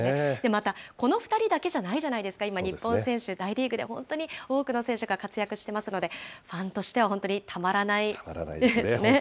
また、この２人だけじゃないじゃないですか、今、日本選手、大リーグで本当に多くの選手が活躍してますので、ファンとしては本当にたまらないですね。